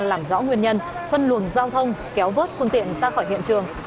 làm rõ nguyên nhân phân luồn giao thông kéo vớt khuôn tiện ra khỏi hiện trường